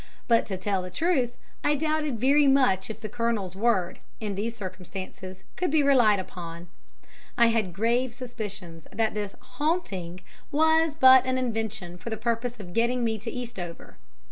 But to tell the truth, I doubted very much if the Colonel's word, in these circumstances, could be relied upon. I had grave suspicions that this "haunting" was but an invention for the purpose of getting me to Eastover.